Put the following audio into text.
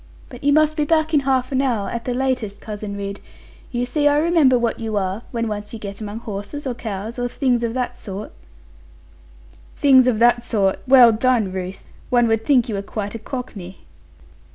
But you must be back in half an hour, at the latest, Cousin Ridd. You see I remember what you are; when once you get among horses, or cows, or things of that sort.' 'Things of that sort! Well done, Ruth! One would think you were quite a Cockney.'